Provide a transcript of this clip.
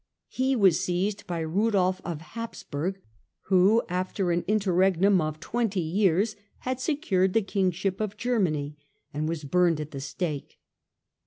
He was seized by Rudolf of Hapsburg, who after an interregnum of twenty years had secured the Kingship of Germany, and was burned at the stake.